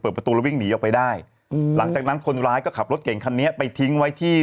ประตูแล้ววิ่งหนีออกไปได้อืมหลังจากนั้นคนร้ายก็ขับรถเก่งคันนี้ไปทิ้งไว้ที่